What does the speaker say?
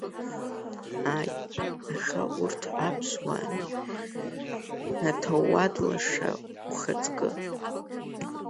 Ааи, аха урҭ аԥсуаами, аҭауад лаша ухаҵкы.